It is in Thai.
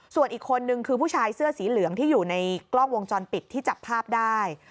ส่วนอีกคนนึงคือผู้ชายเสื้อสีเหลืองที่อยู่ในกล้องวงจรปิดที่จับภาพได้